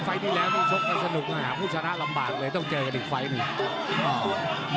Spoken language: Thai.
ไฟต์ที่แล้วมีชกกันสนุกมาหาผู้ชนะลำบากเลยต้องเจอกันอีกไฟต์นึง